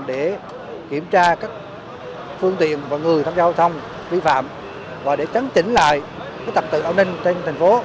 để kiểm tra các phương tiện và người tham gia giao thông vi phạm và để chấn chỉnh lại tập tự an ninh trên thành phố